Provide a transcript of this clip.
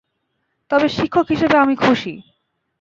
তবে শিক্ষক হিসেবে আমি খুশি।